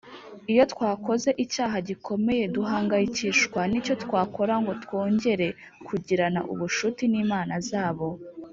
Iyo twakoze icyaha gikomeye duhangayikishwa n icyo twakora ngo twongere kugirana ubucuti n Imana Zabo